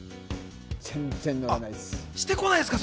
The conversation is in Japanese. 全然乗らないっす。